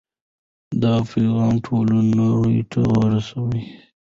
دا پیغام ټولې نړۍ ته ورسوئ.